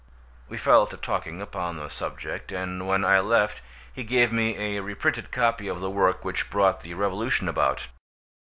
We fell to talking upon the subject, and when I left he gave me a reprinted copy of the work which brought the revolution about.